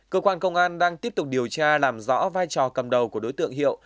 cơ quan công an đang tiếp tục điều tra làm rõ vai trò cầm đầu của đối tượng hiệu